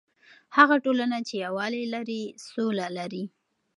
هغه ټولنه چې یووالی لري، سوله لري.